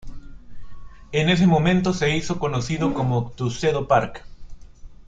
En ese momento se hizo conocido como Tuxedo Park.